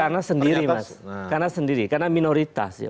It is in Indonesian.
karena sendiri mas karena sendiri karena minoritas ya